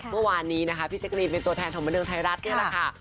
เมื่อวานนี้นะคะพี่แจ๊กรีนเป็นตัวแทนของบันเทิงไทยรัฐนี่แหละค่ะ